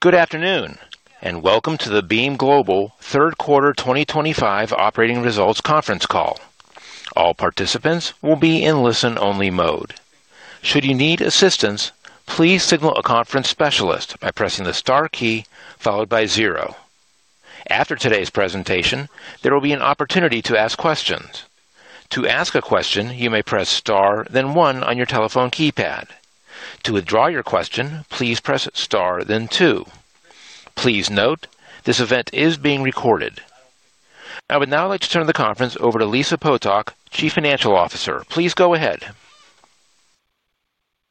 Good afternoon, and welcome to the Beam Global Third Quarter 2025 Operating Results Conference Call. All participants will be in listen-only mode. Should you need assistance, please signal a conference specialist by pressing the star key followed by zero. After today's presentation, there will be an opportunity to ask questions. To ask a question, you may press star, then one on your telephone keypad. To withdraw your question, please press star, then two. Please note, this event is being recorded. I would now like to turn the conference over to Lisa Potok, Chief Financial Officer. Please go ahead.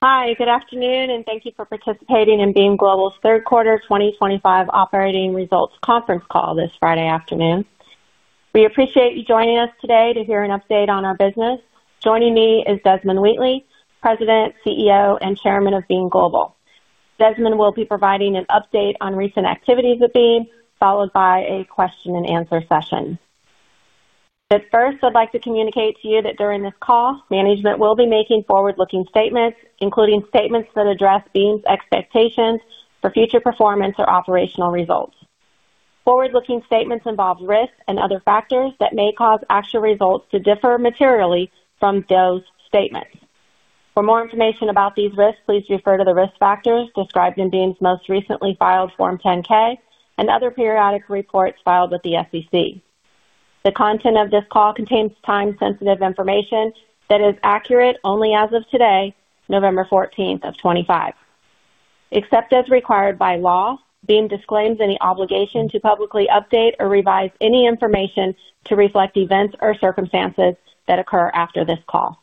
Hi, good afternoon, and thank you for participating in Beam Global's Third Quarter 2025 Operating Results Conference Call, this Friday afternoon. We appreciate you joining us today to hear an update on our business. Joining me is Desmond Wheatley, President, CEO, and Chairman, of Beam Global. Desmond, will be providing an update on recent activities at Beam, followed by a question-and-answer session. First, I'd like to communicate to you that during this call, management will be making forward-looking statements, including statements that address Beam's, expectations for future performance or operational results. Forward-looking statements involve risks and other factors that may cause actual results to differ materially from those statements. For more information about these risks, please refer to the risk factors described in Beam's, most recently filed Form 10-K, and other periodic reports filed with the SEC. The content of this call contains time-sensitive information, that is accurate only as of today, November 14th of 2025. Except as required by law, Beam, disclaims any obligation to publicly update or revise any information to reflect events or circumstances that occur after this call.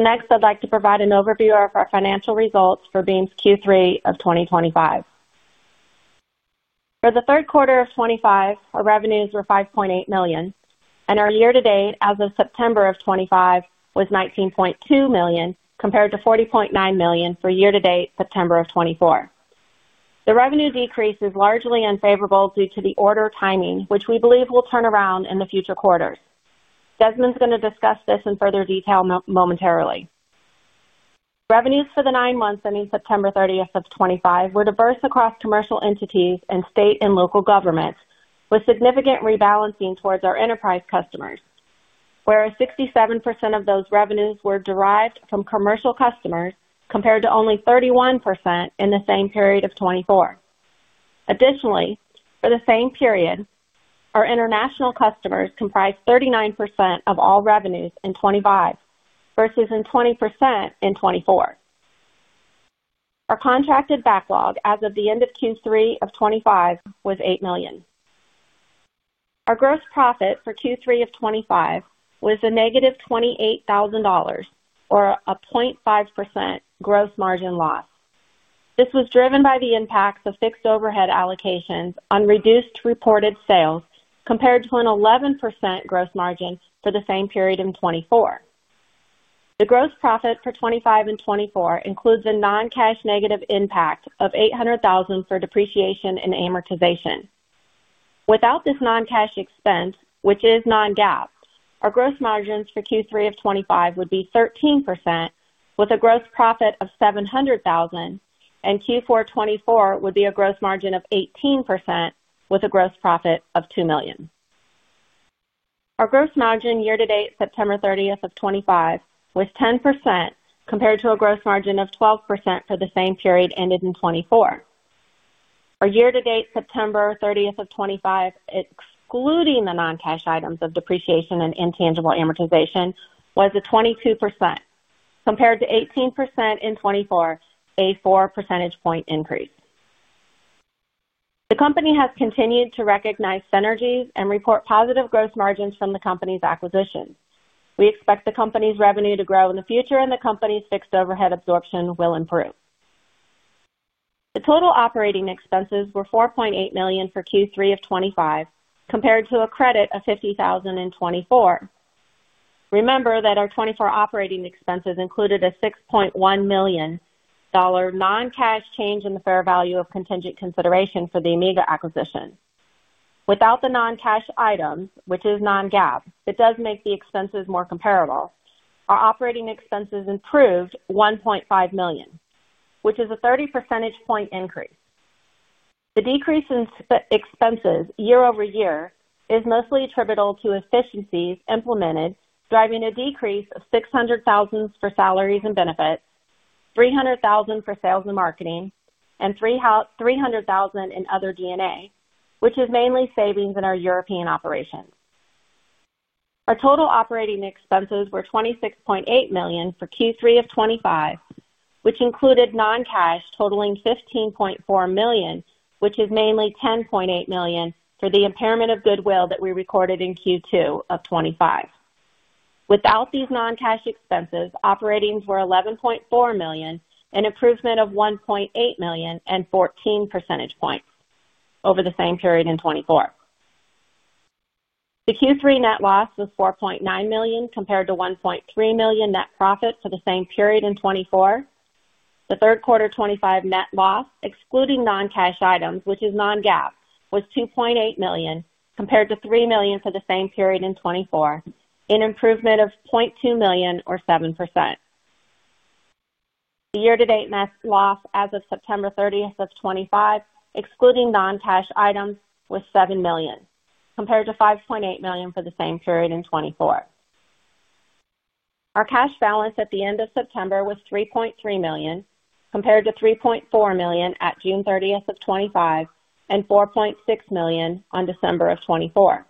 Next, I'd like to provide an overview of our financial results for Beam's, Q3,of 2025. For the third quarter of 2025, our revenues were $5.8 million, and our year-to-date as of September of 2025, was $19.2 million, compared to $40.9 million, for year-to-date,, September of 2024. The revenue, decrease is largely unfavorable due to the order timing, which we believe will turn around in future quarters. Desmond's, going to discuss this in further detail momentarily. Revenues, for the nine months, ending September 30, 2025, were diverse across commercial entities and state and local governments, with significant rebalancing towards our enterprise customers, whereas 67%, of those revenues, were derived from commercial customers compared to only 31%, in the same period of 2024. Additionally, for the same period, our international customers comprised 39%, of all revenues, in 2025, versus 20%, in 2024. Our contracted backlog as of the end of Q3, 2025, was $8 million. Our gross profit, for Q3, 2025, was a negative $28,000, or a 0.5%, gross margin loss. This was driven by the impacts of fixed overhead allocations, on reduced reported sales, compared to an 11%, gross margin, for the same period in 2024. The gross profit, for 2025 and 2024, includes a non-cash, negative impact of $800,000, for depreciation and amortization. Without this non-cash expense, which is non-GAAP, our gross margins, for Q3, of 2025, would be 13%, with a gross profit, of $700,000, and Q4, 2024, would be a gross margin, of 18%, with a gross profit, of $2 million. Our gross margin, year-to-date, September 30 of 2025, was 10%, compared to a gross margin, of 12%, for the same period ended in 2024. Our year-to-date, September 30 of 2025, excluding the non-cash items, of depreciation and intangible amortization, was 22%, compared to 18%, in 2024, a 4 percentage point increase. The company has continued to recognize synergies and report positive gross margins, from the company's acquisitions. We expect the company's revenue, to grow in the future, and the company's fixed overhead absorption, will improve. The total operating expenses were $4.8 million, for Q3, of 2025, compared to a credit, of $50,000, in 2024. Remember that our 2024, operating expenses, included a $6.1 million, non-cash, change in the fair value of contingent consideration for the Amiga acquisition. Without the non-cash item, which is non-GAAP, it does make the expenses, more comparable, our operating expenses, improved $1.5 million, which is a 30 percentage point increase. The decrease in expenses, year over year, is mostly attributable to efficiencies implemented, driving a decrease of $600,000, for salaries and benefits, $300,000, for sales and marketing, and $300,000 in other DNA, which is mainly savings in our European operations. Our total operating expenses, were $26.8 million, for Q3, of 2025, which included non-cash, totaling $15.4 million, which is mainly $10.8 million, for the impairment of goodwill, that we recorded in Q2, of 2025. Without these non-cash expenses, operatings were $11.4 million, and improvement of $1.8 million, and 14 percentage points, over the same period in 2024. The Q3, net loss was $4.9 million, compared to $1.3 million, net profit, for the same period in 2024. The third quarter, 2025, net loss, excluding non-cash items, which is non-GAAP, was $2.8 million, compared to $3 million, for the same period in 2024, an improvement of $0.2 million, or 7%. The year-to-date, net loss, as of September 30 of 2025, excluding non-cash items, was $7 million, compared to $5.8 million, for the same period in 2024. Our cash balance, at the end of September, was $3.3 million, compared to $3.4 million, at June 30 of 2025, and $4.6 million, on December of 2024.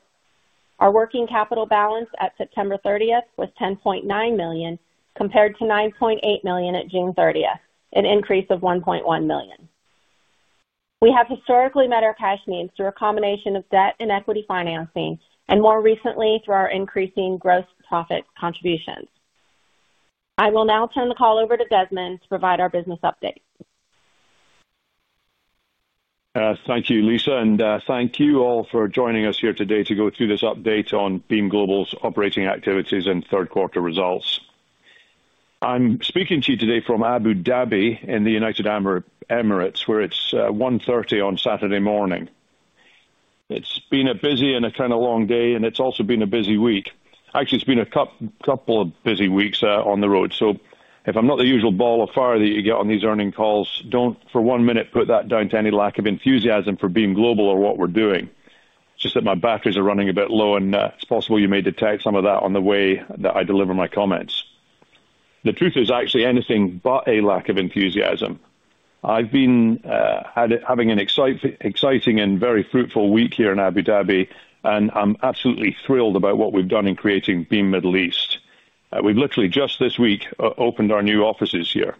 Our working capital balance, at September 30, was $10.9 million, compared to $9.8 million, at June 30, an increase of $1.1 million. We have historically met our cash needs through a combination of debt and equity financing, and more recently through our increasing gross profit contributions. I will now turn the call over to Desmond, to provide our business update. Thank you, Lisa, and thank you all for joining us here today to go through this update on Beam Global's operating activities, and third quarter results. I'm speaking to you today from Abu Dhabi, in the United Arab Emirates, where it's 1:30 A.M. on Saturday morning. It's been a busy and a kind of long day, and it's also been a busy week. Actually, it's been a couple of busy weeks on the road. If I'm not the usual ball of fire that you get on these earnings calls, don't for one minute put that down to any lack of enthusiasm for Beam Global or what we're doing. It's just that my batteries are running a bit low, and it's possible you may detect some of that in the way that I deliver my comments. The truth is actually anything but a lack of enthusiasm. I've been having an exciting and very fruitful week here in Abu Dhabi, and I'm absolutely thrilled about what we've done in creating Beam, Middle East. We've literally just this week opened our new offices here.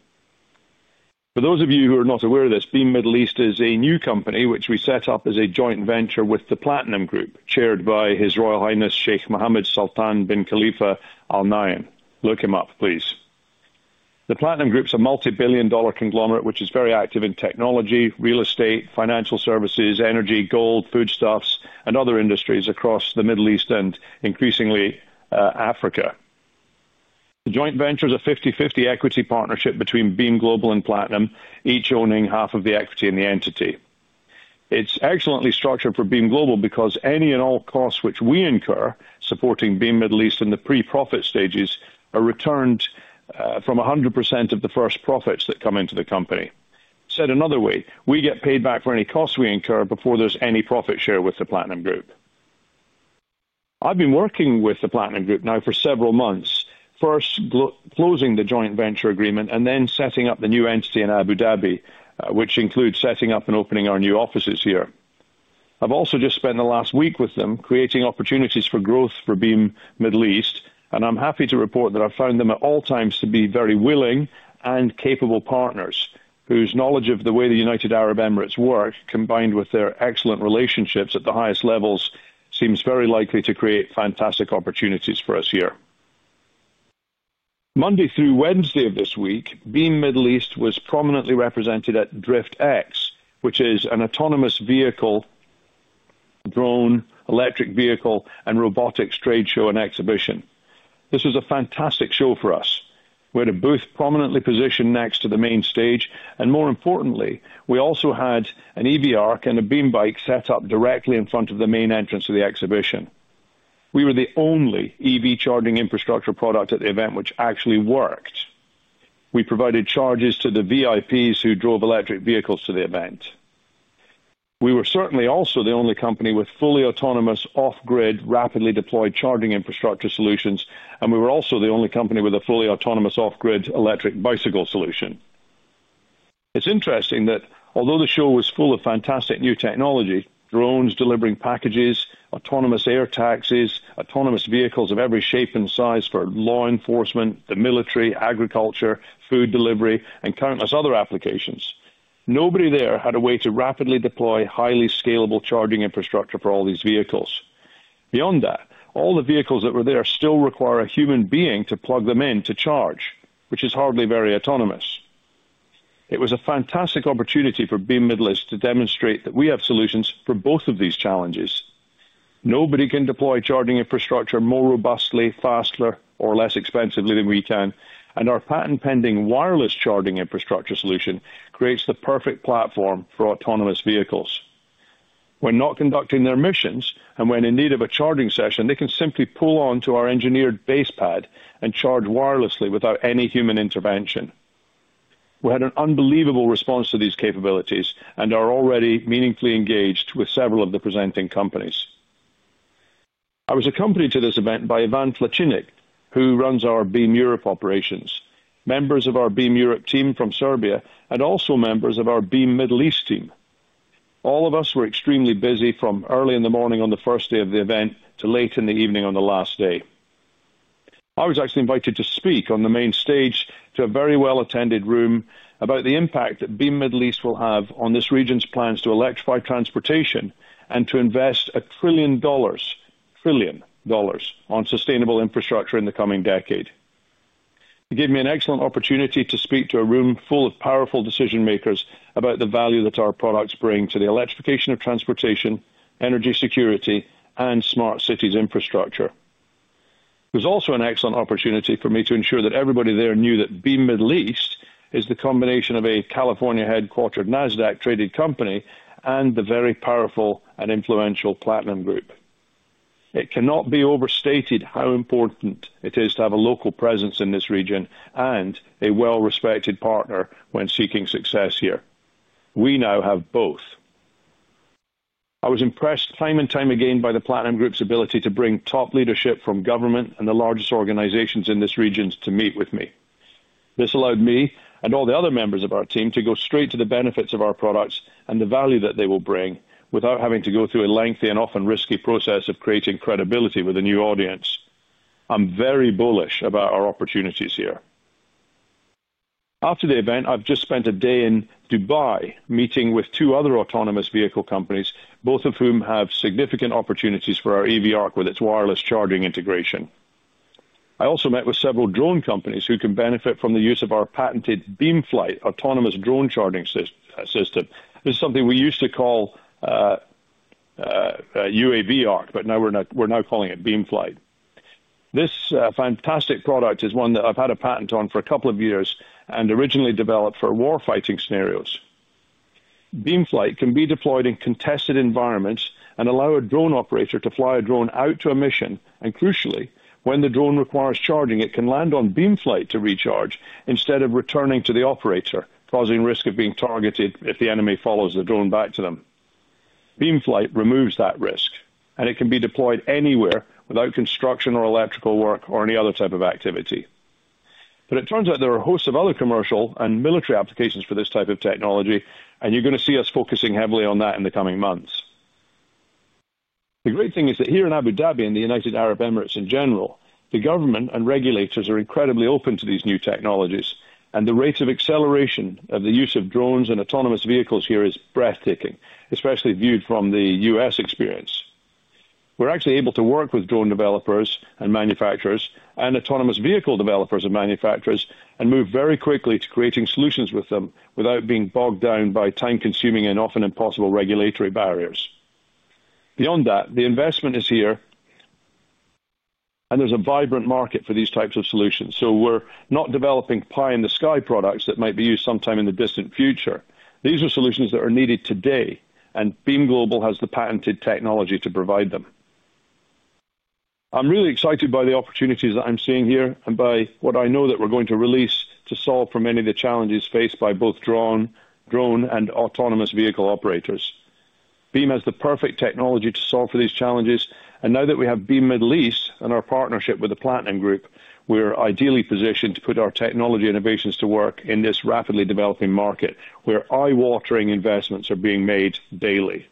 For those of you who are not aware of this, Beam, Middle East is a new company which we set up as a joint venture with the Platinum Group, chaired by His Royal Highness Sheikh Mohammed Sultan bin Khalifa Al Nahyan. Look him up, please. The Platinum Group's, a multi-billion dollar conglomerate, which is very active in technology, real estate, financial services, energy, gold, foodstuffs, and other industries across the Middle East, and increasingly Africa. The joint venture is a 50/50 equity, partnership between Beam Global and Platinum, each owning half of the equity, in the entity. It's excellently structured for Beam Global, because any and all costs, which we incur supporting Beam, Middle East, in the pre-profit stages, are returned from 100%, of the first profits, that come into the company. Said another way, we get paid back for any costs, we incur before there's any profit share, with the Platinum Group. I've been working with the Platinum Group, now for several months, first closing the joint venture agreement and then setting up the new entity in Abu Dhabi, which includes setting up and opening our new offices here. I've also just spent the last week with them creating opportunities for growth for Beam, Middle East, and I'm happy to report that I've found them at all times to be very willing and capable partners whose knowledge of the way the United Arab Emirates, work, combined with their excellent relationships at the highest levels, seems very likely to create fantastic opportunities for us here. Monday through Wednesday, of this week, Beam, Middle East was prominently represented at DriftX, which is an autonomous vehicle, drone, electric vehicle, and robotics trade show and exhibition. This was a fantastic show for us. We had a booth prominently positioned next to the main stage, and more importantly, we also had an EV ARC, and a BeamBike, set up directly in front of the main entrance of the exhibition. We were the only EV, charging infrastructure product at the event which actually worked. We provided charges to the VIPs, who drove electric vehicles to the event. We were certainly also the only company with fully autonomous off-grid rapidly deployed charging infrastructure solutions, and we were also the only company with a fully autonomous off-grid electric bicycle solution. It's interesting that although the show was full of fantastic new technology, drones delivering packages, autonomous air taxis, autonomous vehicles, of every shape and size for law enforcement, the military, agriculture, food delivery, and countless other applications, nobody there had a way to rapidly deploy highly scalable charging infrastructure, for all these vehicles. Beyond that, all the vehicles that were there still require a human being to plug them in to charge, which is hardly very autonomous. It was a fantastic opportunity for Beam, Middle East, to demonstrate that we have solutions for both of these challenges. Nobody can deploy charging infrastructure, more robustly, faster, or less expensively than we can, and our patent-pending wireless charging infrastructure solution, creates the perfect platform for autonomous vehicles. When not conducting their missions and when in need of a charging session, they can simply pull onto our engineered base pad and charge wirelessly, without any human intervention. We had an unbelievable response to these capabilities and are already meaningfully engaged with several of the presenting companies. I was accompanied to this event by Ivan Plechinik, who runs our Beam, Europe operations, members of our Beam, Europe team, from Serbia, and also members of our Beam, Middle East team. All of us were extremely busy from early in the morning on the first day of the event to late in the evening on the last day. I was actually invited to speak on the main stage to a very well-attended room about the impact that Beam, Middle East, will have on this region's plans to electrify transportation and to invest $1 trillion, on sustainable infrastructure in the coming decade. It gave me an excellent opportunity to speak to a room full of powerful decision-makers about the value that our products bring to the electrification of transportation, energy security, and smart city infrastructure. It was also an excellent opportunity for me to ensure that everybody there knew that Beam, Middle East, is the combination of a California-headquartered Nasdaq-traded company, and the very powerful and influential Platinum Group. It cannot be overstated how important it is to have a local presence in this region and a well-respected partner when seeking success here. We now have both. I was impressed time and time again by the Platinum Group's ability, to bring top leadership from government and the largest organizations in this region to meet with me. This allowed me and all the other members of our team to go straight to the benefits of our products and the value that they will bring without having to go through a lengthy and often risky process of creating credibility with a new audience. I'm very bullish about our opportunities here. After the event, I've just spent a day in Dubai, meeting with two other autonomous vehicle companies, both of whom have significant opportunities for our EV ARC, with its wireless charging integration. I also met with several drone companies, who can benefit from the use of our patented BeamFlight autonomous drone charging system. This is something we used to call UAV ARC, but now we're now calling it BeamFlight. This fantastic product is one that I've had a patent, on for a couple of years and originally developed for warfighting scenarios. BeamFlight, can be deployed in contested environments and allow a drone operator to fly a drone out to a mission, and crucially, when the drone requires charging, it can land on BeamFlight, to recharge instead of returning to the operator, causing risk of being targeted if the enemy follows the drone back to them. BeamFlight, removes that risk, and it can be deployed anywhere without construction or electrical work or any other type of activity. It turns out there are a host of other commercial and military applications for this type of technology, and you're going to see us focusing heavily on that in the coming months. The great thing is that here in Abu Dhabi, and the United Arab Emirates, in general, the government and regulators are incredibly open to these new technologies, and the rate of acceleration of the use of drones and autonomous vehicles, here is breathtaking, especially viewed from the U.S. experience. We're actually able to work with drone developers and manufacturers, and autonomous vehicle developers and manufacturers and move very quickly to creating solutions with them without being bogged down by time-consuming and often impossible regulatory barriers. Beyond that, the investment is here, and there's a vibrant market for these types of solutions. We are not developing pie-in-the-sky products, that might be used sometime in the distant future. These are solutions that are needed today, and Beam Global, has the patented technology, to provide them. I'm really excited by the opportunities that I'm seeing here and by what I know that we're going to release to solve for many of the challenges faced by both drone and autonomous vehicle operators. Beam, has the perfect technology to solve for these challenges, and now that we have Beam, Middle East, and our partnership with the Platinum Group, we're ideally positioned to put our technology innovations to work in this rapidly developing market where eye-watering investments are being made daily.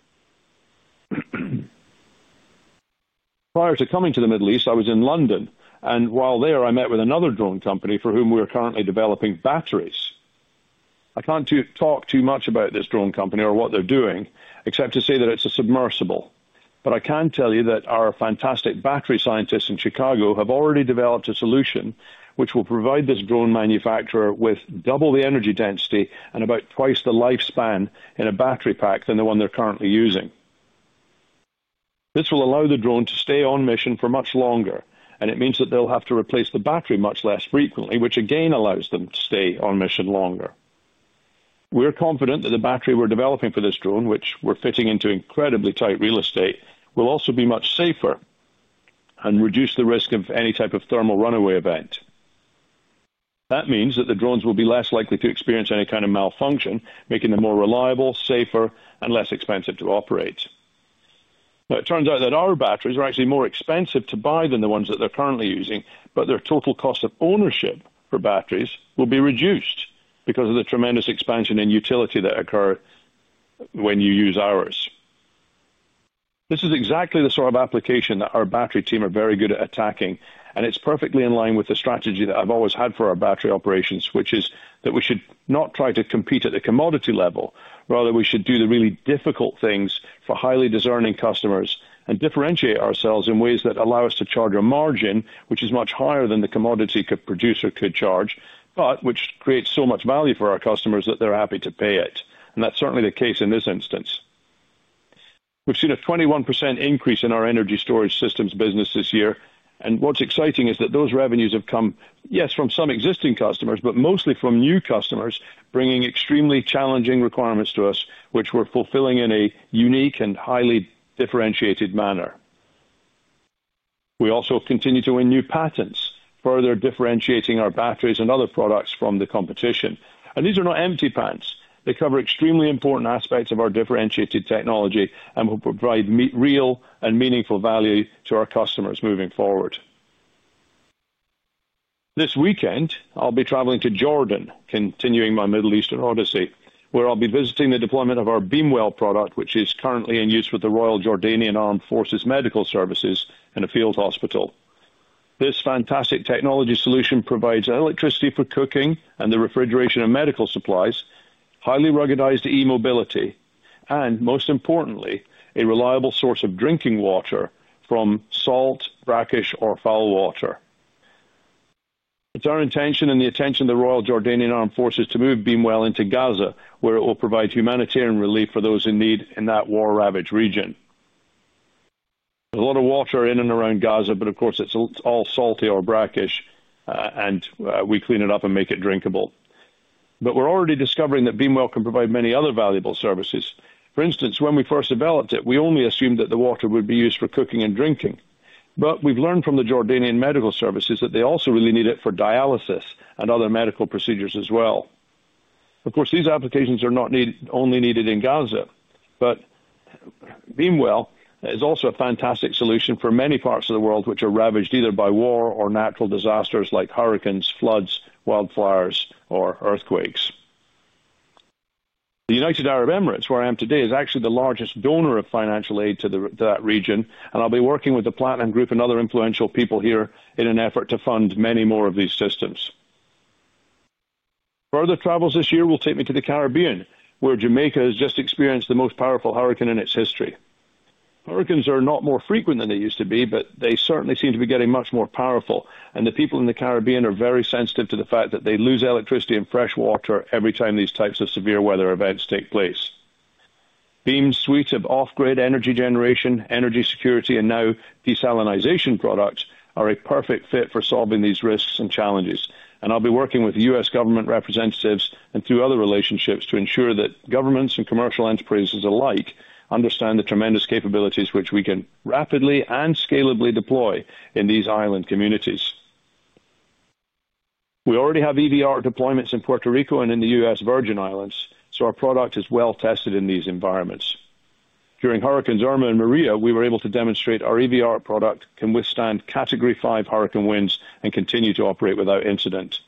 Prior to coming to the Middle East, I was in London, and while there, I met with another drone company for whom we are currently developing batteries. I can't talk too much about this drone company, or what they're doing except to say that it's a submersible, but I can tell you that our fantastic battery scientists in Chicago, have already developed a solution which will provide this drone manufacturer with double the energy density and about twice the lifespan in a battery pack, than the one they're currently using. This will allow the drone to stay on mission for much longer, and it means that they'll have to replace the battery much less frequently, which again allows them to stay on mission longer. We're confident that the battery we're developing for this drone, which we're fitting into incredibly tight real estate, will also be much safer and reduce the risk of any type of thermal runaway event. That means that the drones will be less likely to experience any kind of malfunction, making them more reliable, safer, and less expensive to operate. Now, it turns out that our batteries, are actually more expensive to buy than the ones that they're currently using, but their total cost of ownership for batteries will be reduced because of the tremendous expansion in utility that occur when you use ours. This is exactly the sort of application that our battery team, are very good at attacking, and it's perfectly in line with the strategy that I've always had for our battery operations, which is that we should not try to compete at the commodity level. Rather, we should do the really difficult things for highly discerning customers and differentiate ourselves in ways that allow us to charge a margin, which is much higher than the commodity could produce or could charge, but which creates so much value for our customers that they're happy to pay it. That is certainly the case in this instance. We've seen a 21%, increase in our energy storage systems business this year, and what's exciting is that those revenues, have come, yes, from some existing customers, but mostly from new customers bringing extremely challenging requirements to us, which we're fulfilling in a unique and highly differentiated manner. We also continue to win new patents, further differentiating our batteries and other products from the competition. These are not empty patents. They cover extremely important aspects of our differentiated technology and will provide real and meaningful value to our customers moving forward. This weekend, I'll be traveling to Jordan, continuing my Middle Eastern, odyssey, where I'll be visiting the deployment of our BeamWell product, which is currently in use with the Royal Jordanian Armed Forces Medical Services, in a field hospital. This fantastic technology solution, provides electricity for cooking and the refrigeration of medical supplies, highly ruggedized e-mobility, and most importantly, a reliable source of drinking water from salt, brackish, or foul water. It's our intention and the intention of the Royal Jordanian Armed Forces, to move BeamWell, into Gaza, where it will provide humanitarian relief for those in need in that war-ravaged region. There's a lot of water in and around Gaza, but of course, it's all salty or brackish, and we clean it up and make it drinkable. We are already discovering that BeamWell, can provide many other valuable services. For instance, when we first developed it, we only assumed that the water would be used for cooking and drinking, but we have learned from the Jordanian medical services, that they also really need it for dialysis and other medical procedures as well. Of course, these applications are not only needed in Gaza, but BeamWell, is also a fantastic solution for many parts of the world which are ravaged either by war or natural disasters like hurricanes, floods, wildfires, or earthquakes. The United Arab Emirates, where I am today, is actually the largest donor of financial aid to that region, and I will be working with the Platinum Group, and other influential people here in an effort to fund many more of these systems. Further travels this year will take me to the Caribbean, where Jamaica, has just experienced the most powerful hurricane in its history. Hurricanes, are not more frequent than they used to be, but they certainly seem to be getting much more powerful, and the people in the Caribbean, are very sensitive to the fact that they lose electricity and fresh water,, every time these types of severe weather events take place. Beam's suite of off-grid energy generation, energy security, and now desalinization products are a perfect fit for solving these risks and challenges, and I'll be working with U.S. government representatives, and through other relationships to ensure that governments and commercial enterprises alike understand the tremendous capabilities which we can rapidly and scalably deploy in these island communities. We already have EV ARC, deployments in Puerto Rico and in the U.S. Virgin Islands, so our product is well tested in these environments. During Hurricanes Irma and Maria, we were able to demonstrate our EV ARC product, can withstand category five hurricane winds, and continue to operate without incident.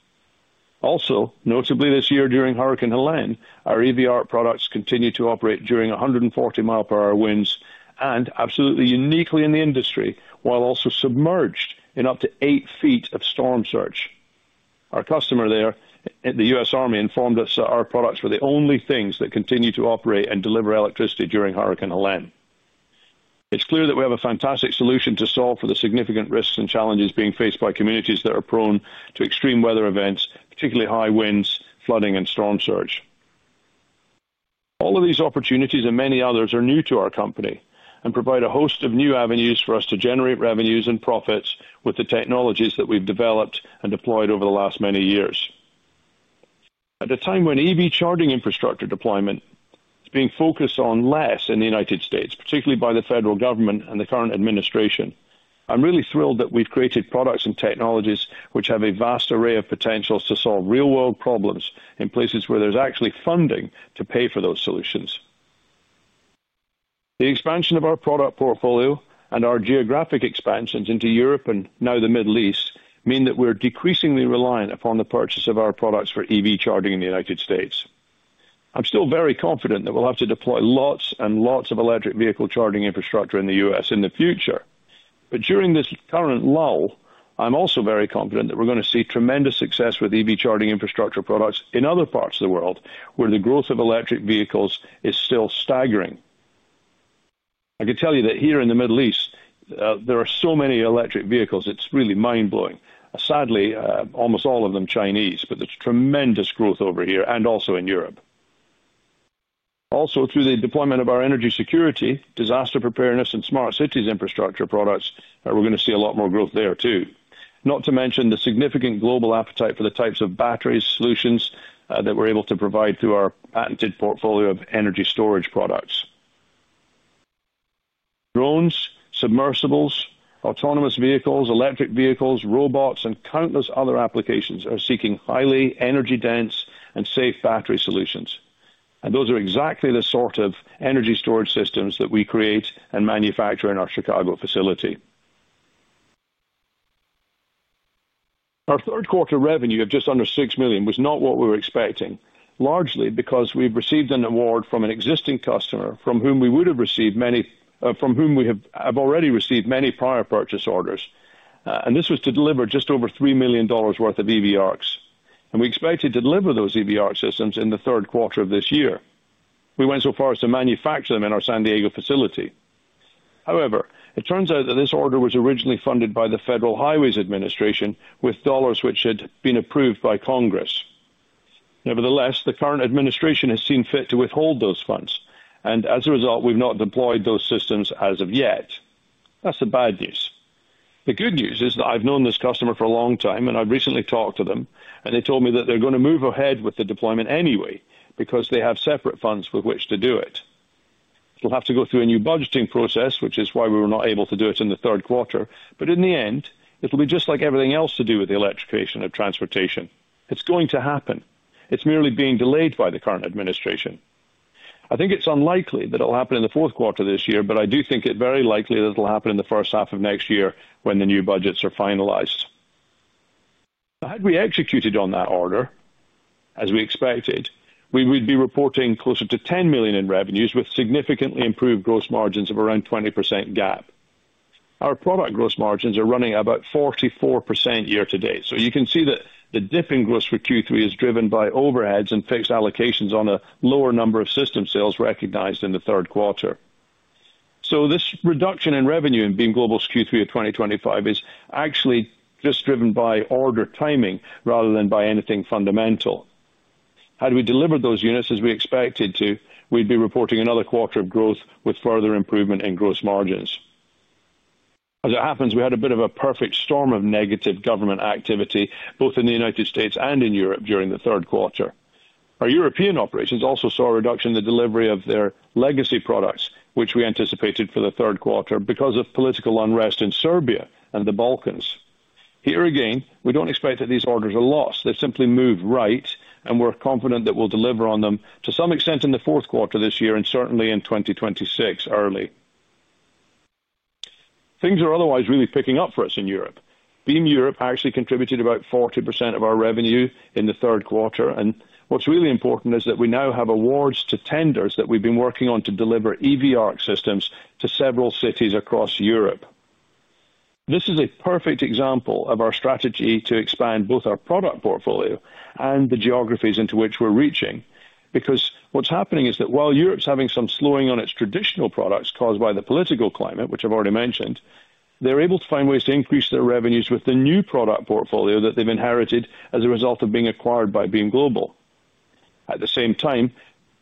Also, notably this year during Hurricane Helene, our EV ARC products, continued to operate during 140 mile per hour winds, and absolutely uniquely in the industry while also submerged in up to eight feet of storm surge. Our customer there at the U.S. Army, informed us that our products were the only things that continue to operate and deliver electricity during Hurricane Helene. It's clear that we have a fantastic solution to solve for the significant risks and challenges being faced by communities that are prone to extreme weather events, particularly high winds, flooding, and storm surge. All of these opportunities and many others are new to our company and provide a host of new avenues for us to generate revenues and profits with the technologies that we've developed and deployed over the last many years. At a time when EV charging infrastructure deployment, is being focused on less in the United States, particularly by the federal government, and the current administration, I'm really thrilled that we've created products and technologies, which have a vast array of potentials to solve real-world problems in places where there's actually funding to pay for those solutions. The expansion of our product portfolio and our geographic expansions into Europe, and now the Middle East, mean that we're decreasingly reliant upon the purchase of our products for EV charging, in the United States. I'm still very confident that we'll have to deploy lots and lots of electric vehicle charging infrastructure, in the U.S. in the future, but during this current lull, I'm also very confident that we're going to see tremendous success with EV charging infrastructure products, in other parts of the world where the growth of electric vehicles, is still staggering. I can tell you that here in the Middle East, there are so many electric vehicles. It's really mind-blowing. Sadly, almost all of them Chinese, but there's tremendous growth over here and also in Europe. Also, through the deployment of our energy security, disaster preparedness, and smart city infrastructure products, we're going to see a lot more growth there too. Not to mention the significant global appetite for the types of battery solutions that we're able to provide through our patented portfolio of energy storage products. Drones, submersibles, autonomous vehicles, electric vehicles, robots, and countless other applications are seeking highly energy-dense and safe battery solutions, and those are exactly the sort of energy storage systems that we create and manufacture in our Chicago facility. Our third quarter revenue, of just under $6 million, was not what we were expecting, largely because we've received an award from an existing customer from whom we would have received many, from whom we have already received many prior purchase orders, and this was to deliver just over $3 million, worth of EV ARC s, and we expected to deliver those EV ARC systems, in the third quarter, of this year. We went so far as to manufacture them in our San Diego facility. However, it turns out that this order was originally funded by the Federal Highway Administration, with dollars which had been approved by Congress. Nevertheless, the current administration has seen fit to withhold those funds, and as a result, we've not deployed those systems as of yet. That's the bad news. The good news is that I've known this customer for a long time, and I've recently talked to them, and they told me that they're going to move ahead with the deployment anyway because they have separate funds with which to do it. We'll have to go through a new budgeting process, which is why we were not able to do it in the third quarter, but in the end, it'll be just like everything else to do with the electrification of transportation. It's going to happen. It's merely being delayed by the current administration. I think it's unlikely that it'll happen in the fourth quarter this year, but I do think it's very likely that it'll happen in the first half of next year when the new budgets are finalized. Had we executed on that order, as we expected, we would be reporting closer to $10 million, in revenues, with significantly improved gross margins, of around 20% GAAP. Our product gross margins, are running about 44%, year to date, so you can see that the dipping gross for Q3, is driven by overheads and fixed allocations, on a lower number of system sales recognized in the third quarter. This reduction in revenue, in Beam Global's, Q3, of 2025, is actually just driven by order timing rather than by anything fundamental. Had we delivered those units, as we expected to, we'd be reporting another quarter, of growth with further improvement in gross margins. As it happens, we had a bit of a perfect storm of negative government activity both in the U.S. and in Europe, during the third quarter. Our European operations, also saw a reduction in the delivery of their legacy products, which we anticipated for the third quarter, because of political unrest in Serbia and the Balkans. Here again, we do not expect that these orders are lost. They simply move right, and we are confident that we will deliver on them to some extent in the fourth quarter, this year and certainly in 2026 early. Things are otherwise really picking up for us in Europe. Beam, Europe, actually contributed about 40%, of our revenue, in the third quarter, and what is really important is that we now have awards to tenders that we have been working on to deliver EV ARC systems, to several cities across Europe. This is a perfect example of our strategy to expand both our product portfolio and the geographies into which we're reaching because what's happening is that while Europe, is having some slowing on its traditional products caused by the political climate, which I've already mentioned, they're able to find ways to increase their revenues with the new product portfolio that they've inherited as a result of being acquired by Beam, Global. At the same time,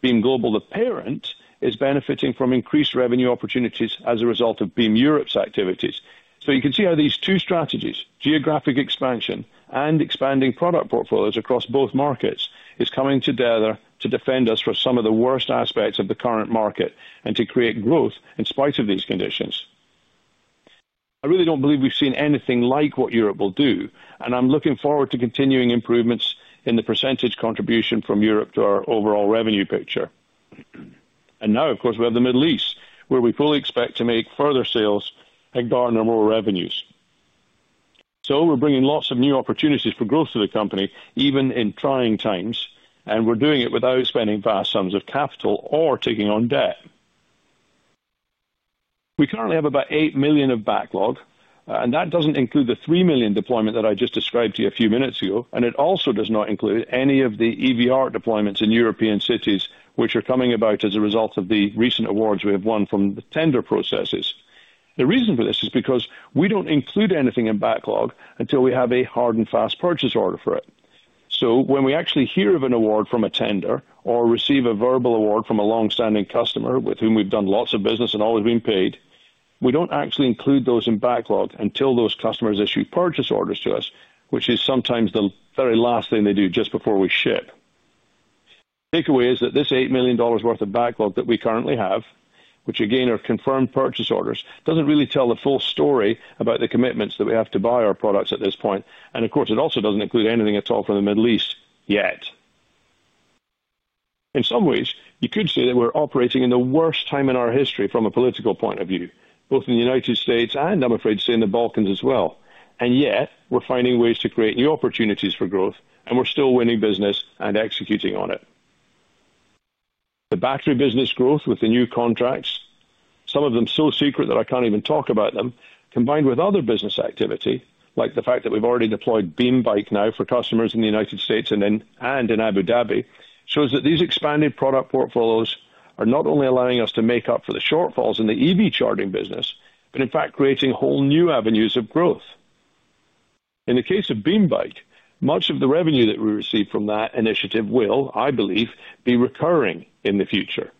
Beam Global, the parent, is benefiting from increased revenue opportunities as a result of Beam, Europe's, activities. You can see how these two strategies, geographic expansion and expanding product portfolios across both markets, are coming together to defend us from some of the worst aspects of the current market and to create growth in spite of these conditions. I really don't believe we've seen anything like what Europe will do, and I'm looking forward to continuing improvements in the % contribution from Europe, to our overall revenue picture. Now, of course, we have the Middle East, where we fully expect to make further sales and garner more revenues. We're bringing lots of new opportunities for growth to the company, even in trying times, and we're doing it without spending vast sums of capital or taking on debt. We currently have about $8 million, of backlog, and that doesn't include the $3 million, deployment that I just described to you a few minutes ago, and it also does not include any of the EV ARC deployments in European cities, which are coming about as a result of the recent awards we have won from the tender processes. The reason for this is because we don't include anything in backlog until we have a hard and fast purchase order for it. When we actually hear of an award from a tender or receive a verbal award from a long-standing customer with whom we've done lots of business and always been paid, we don't actually include those in backlog until those customers issue purchase orders to us, which is sometimes the very last thing they do just before we ship. Takeaway is that this $8 million, worth of backlog that we currently have, which again are confirmed purchase orders, doesn't really tell the full story about the commitments that we have to buy our products at this point, and of course, it also doesn't include anything at all from the Middle East, yet. In some ways, you could say that we're operating in the worst time in our history from a political point of view, both in the United States, and, I'm afraid, say in the Balkans, as well, and yet we're finding ways to create new opportunities for growth, and we're still winning business and executing on it. The battery business growth with the new contracts, some of them so secret that I can't even talk about them, combined with other business activity, like the fact that we've already deployed BeamBike, now for customers in the United States and in Abu Dhabi, shows that these expanded product portfolios are not only allowing us to make up for the shortfalls in the EV charging business, but in fact creating whole new avenues of growth. In the case of BeamBike, much of the revenue that we receive from that initiative will, I believe, be recurring in the future,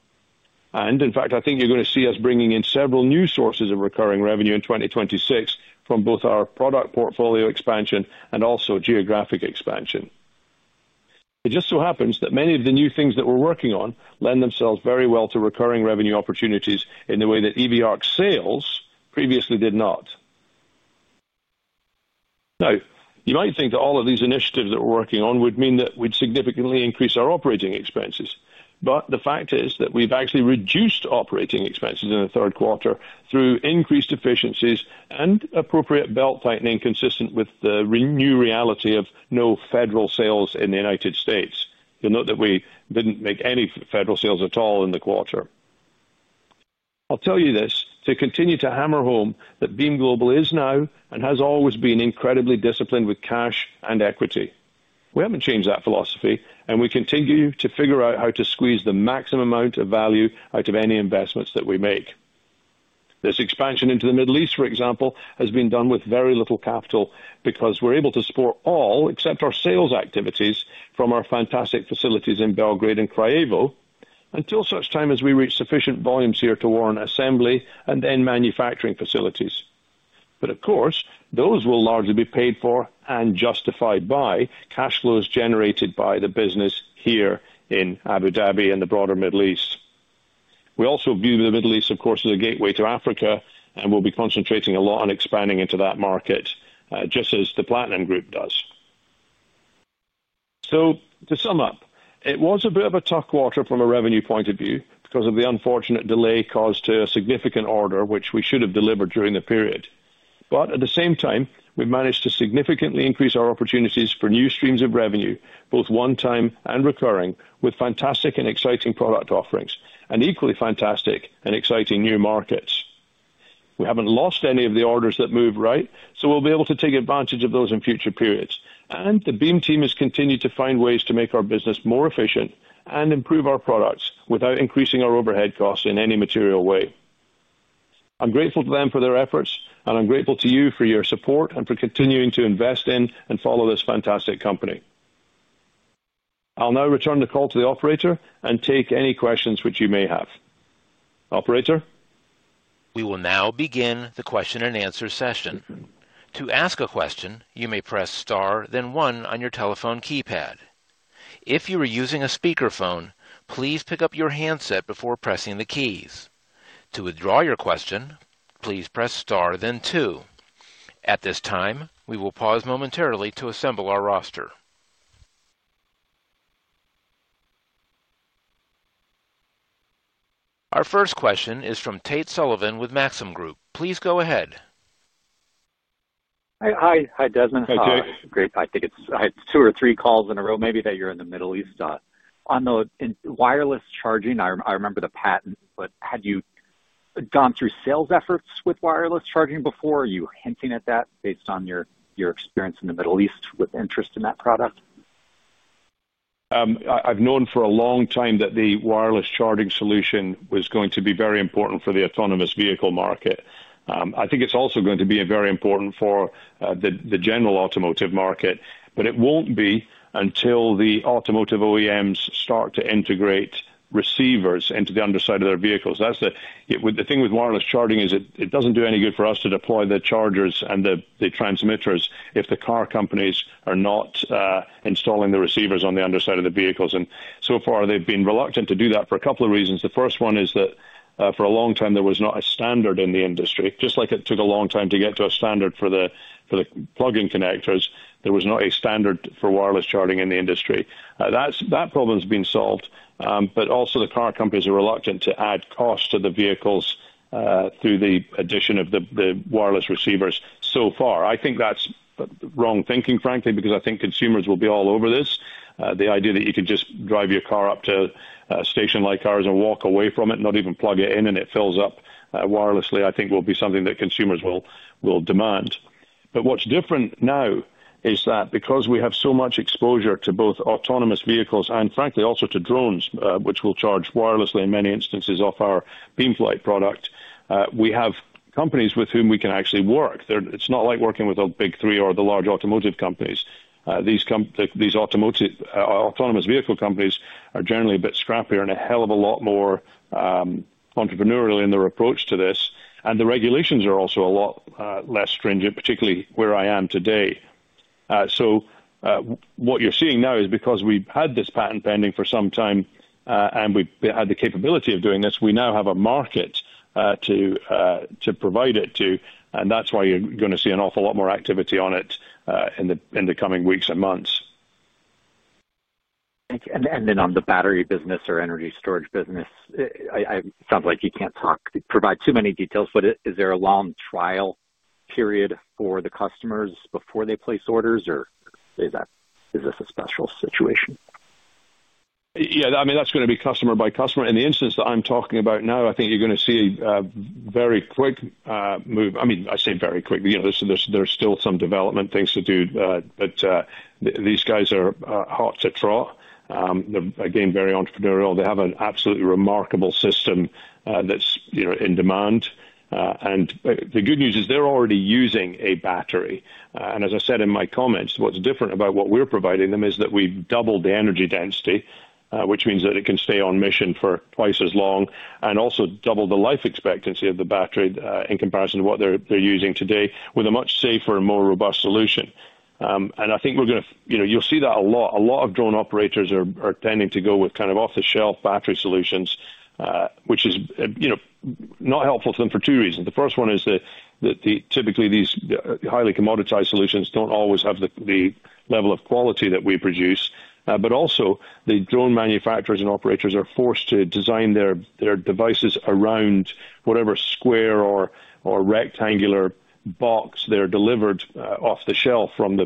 and in fact, I think you're going to see us bringing in several new sources of recurring revenue in 2026, from both our product portfolio expansion, and also geographic expansion. It just so happens that many of the new things that we're working on lend themselves very well to recurring revenue opportunities in the way that EV ARC sales, previously did not. Now, you might think that all of these initiatives that we're working on would mean that we'd significantly increase our operating expenses, but the fact is that we've actually reduced operating expenses, in the third quarter, through increased efficiencies and appropriate belt tightening consistent with the new reality of no federal sales in the U.S. You'll note that we didn't make any federal sales at all in the quarter. I'll tell you this to continue to hammer home that Beam Global, is now and has always been incredibly disciplined with cash and equity. We haven't changed that philosophy, and we continue to figure out how to squeeze the maximum amount of value out of any investments that we make. This expansion into the Middle East, for example, has been done with very little capital because we're able to support all except our sales activities from our fantastic facilities in Belgrade and Kragujevac, until such time as we reach sufficient volumes here to warrant assembly and then manufacturing facilities. Of course, those will largely be paid for and justified by cash flows generated by the business here in Abu Dhabi and the broader Middle East. We also view the Middle East, of course, as a gateway to Africa, and we'll be concentrating a lot on expanding into that market, just as the Platinum Group, does. To sum up, it was a bit of a tough quarter from a revenue point of view because of the unfortunate delay caused to a significant order which we should have delivered during the period, but at the same time, we've managed to significantly increase our opportunities for new streams of revenue, both one-time and recurring, with fantastic and exciting product offerings and equally fantastic and exciting new markets. We haven't lost any of the orders that move right, so we'll be able to take advantage of those in future periods, and the Beam team, has continued to find ways to make our business more efficient and improve our products without increasing our overhead costs in any material way. I'm grateful to them for their efforts, and I'm grateful to you for your support and for continuing to invest in and follow this fantastic company. I'll now return the call to the operator and take any questions which you may have. Operator. We will now begin the question and answer session. To ask a question, you may press star, then one on your telephone keypad. If you are using a speakerphone, please pick up your handset before pressing the keys. To withdraw your question, please press star, then two. At this time, we will pause momentarily to assemble our roster. Our first question is from Tate Sullivan, with Maxim Group. Please go ahead. Hi, Desmond. How are you? I think it's two or three calls in a row, maybe, that you're in the Middle East. On the wireless charging, I remember the patent, but had you gone through sales efforts with wireless charging before? Are you hinting at that based on your experience in the Middle East, with interest in that product? I've known for a long time that the wireless charging solution was going to be very important for the autonomous vehicle market. I think it's also going to be very important for the general automotive market, but it won't be until the automotive OEMs, start to integrate receivers into the underside of their vehicles. The thing with wireless charging is it doesn't do any good for us to deploy the chargers and the transmitters, if the car companies are not installing the receivers on the underside of the vehicles. So far, they've been reluctant to do that for a couple of reasons. The first one is that for a long time, there was not a standard in the industry. Just like it took a long time to get to a standard for the plug-in connectors, there was not a standard for wireless charging in the industry. That problem's been solved, but also the car companies are reluctant to add cost to the vehicles through the addition of the wireless receivers so far. I think that's wrong thinking, frankly, because I think consumers will be all over this. The idea that you can just drive your car up to station-like cars and walk away from it, not even plug it in, and it fills up wirelessly, I think will be something that consumers will demand. What is different now is that because we have so much exposure to both autonomous vehicles and, frankly, also to drones, which will charge wirelessly in many instances off our BeamFlight, product, we have companies with whom we can actually work. It is not like working with the Big Three, or the large automotive companies. These autonomous vehicle companies are generally a bit scrappier and a hell of a lot more entrepreneurial in their approach to this, and the regulations are also a lot less stringent, particularly where I am today. What you are seeing now is because we have had this patent pending for some time and we have had the capability of doing this, we now have a market to provide it to, and that is why you are going to see an awful lot more activity on it in the coming weeks and months. On the battery business or energy storage business, it sounds like you can't provide too many details, but is there a long trial period for the customers before they place orders, or is this a special situation? Yeah, I mean, that's going to be customer by customer. In the instance that I'm talking about now, I think you're going to see a very quick move. I mean, I say very quick. There's still some development things to do, but these guys are hot to trot. They're, again, very entrepreneurial. They have an absolutely remarkable system that's in demand, and the good news is they're already using a battery. As I said in my comments, what's different about what we're providing them is that we've doubled the energy density, which means that it can stay on mission for twice as long and also doubled the life expectancy of the battery in comparison to what they're using today with a much safer and more robust solution. I think you're going to see that a lot. A lot of drone operators, are tending to go with kind of off-the-shelf battery solutions, which is not helpful to them for two reasons. The first one is that typically these highly commoditized solutions do not always have the level of quality, that we produce, but also the drone manufacturers and operators, are forced to design their devices around whatever square or rectangular box they're delivered off the shelf from